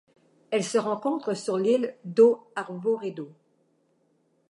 Elle se rencontre sur l'île do Arvoredo.